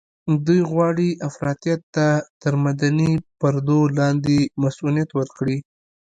دوی غواړي افراطيت ته تر مدني پردو لاندې مصؤنيت ورکړي.